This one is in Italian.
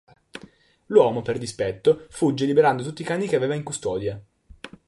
L'uomo, per dispetto, fugge liberando tutti i cani che aveva in custodia.